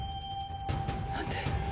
何で？